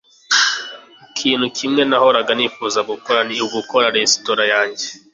Ikintu kimwe nahoraga nifuza gukora ni ugukora resitora yanjye